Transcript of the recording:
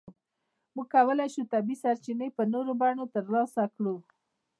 موږ کولای شو طبیعي سرچینې په نورو بڼو ترلاسه کړو.